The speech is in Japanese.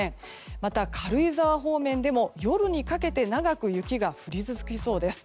また、軽井沢方面でも夜にかけて長く雪が降り続きそうです。